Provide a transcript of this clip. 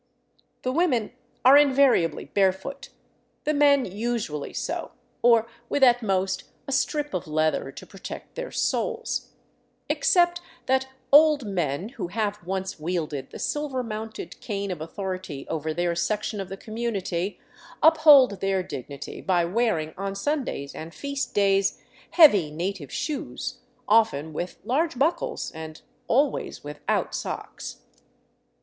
The women are invariably barefoot, the men usually so, or with at most a strip of leather to protect their soles; except that old men who have once wielded the silver mounted cane of authority over their section of the community uphold their dignity by wearing on Sundays and feast days heavy, native shoes oft'en with large buckles and always without socks.